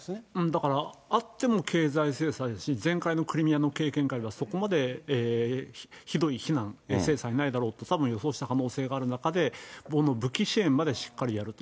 だから、あっても経済制裁ですし、前回のクリミアの経験から、そこまでひどい非難、制裁はないだろうと予想した中で武器支援までしっかりやると。